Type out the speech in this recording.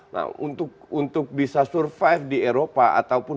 nah untuk bisa survive di eropa ataupun